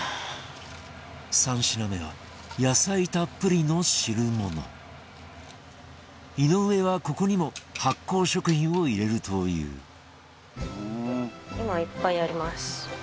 ３品目は野菜たっぷりの汁物井上は、ここにも発酵食品を入れるという今、いっぱいあります。